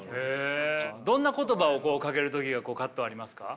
どんな言葉をかける時が葛藤ありますか？